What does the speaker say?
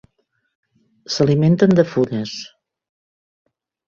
S'alimenten de fulles.